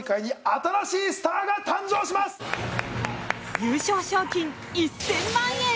優勝賞金１０００万円。